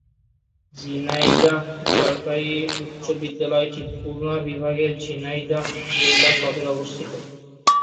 ঝিনাইদহ সরকারি উচ্চ বিদ্যালয়টি খুলনা বিভাগের ঝিনাইদহ জেলা সদরে অবস্থিত।